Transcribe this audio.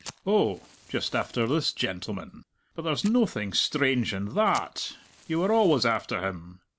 "Oh, just after this gentleman! But there's noathing strange in tha at; you were always after him.